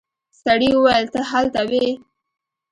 سړي وويل ته هلته وې.